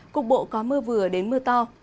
cuộc bộ có mưa vừa đến mưa to